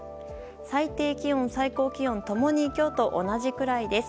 最低気温、最高気温共に今日と同じくらいです。